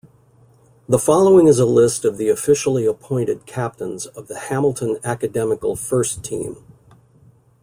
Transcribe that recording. The following is a list of the officially-appointed captains of the Hamilton Academical first-team.